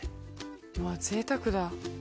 うわぜいたくだ。